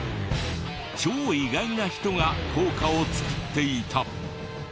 超意外な人が校歌を作っていた。